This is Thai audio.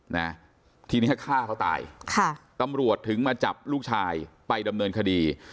นะทีเนี้ยฆ่าเขาตายค่ะตำรวจถึงมาจับลูกชายไปดำเนินคดี